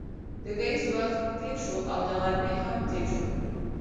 د ګهیځ وخت تېر شو او د غرمې هم تېر شو.